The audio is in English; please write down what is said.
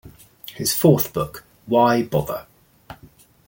His fourth book, Why Bother?